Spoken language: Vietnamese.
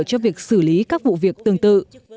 cho việc xử lý các vụ việc tương tự